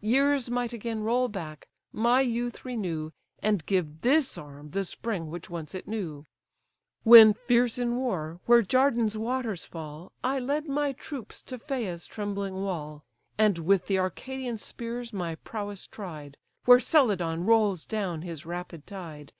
Years might again roll back, my youth renew, And give this arm the spring which once it knew When fierce in war, where Jardan's waters fall, I led my troops to Phea's trembling wall, And with the Arcadian spears my prowess tried, Where Celadon rolls down his rapid tide.